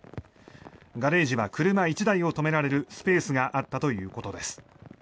ガレージは車１台を止められるスペースがあったということです。